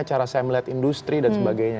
cara saya melihat industri dan sebagainya